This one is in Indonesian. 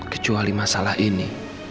kecuali masalah ini